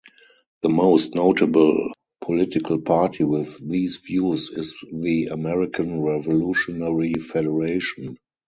The most notable political party with these views is the Armenian Revolutionary Federation.